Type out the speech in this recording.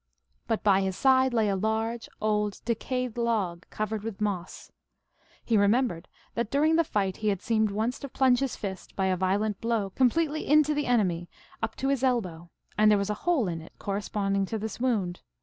But by his side lay a large, old, decayed log, covered with moss. He re membered that during the fight he had seemed once to plunge his fist, by a violent blow, completely into the enemy up to his elbow, and there was a hole in it corresponding to this wound.